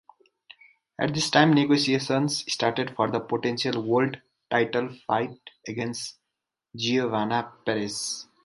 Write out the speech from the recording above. At this time negotiations started for the potential world title fight against Geovana Peres.